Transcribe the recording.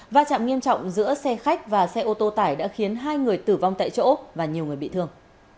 và chạm nghiêm trọng giữa xe khách và xe ô tô tải đã khiến hai người tử vong tại chỗ và nhiều người bị thương